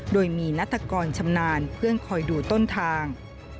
โดยมีนัตกรชำนาญเพื่อนคอยดูต้นทาง